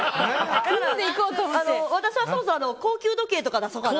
私はそろそろ高級時計とかが。